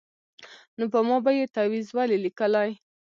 نو په ما به یې تعویذ ولي لیکلای